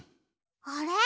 あれ？